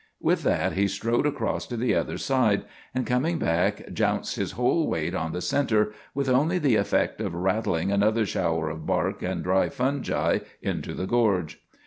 With that he strode across to the other side, and coming back jounced his whole weight on the center, with only the effect of rattling another shower of bark and dry fungi into the gorge.